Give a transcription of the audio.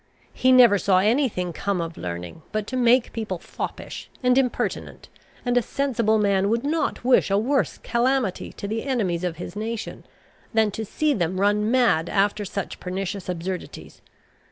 He never saw any thing come of learning but to make people foppish and impertinent; and a sensible man would not wish a worse calamity to the enemies of his nation, than to see them run mad after such pernicious absurdities.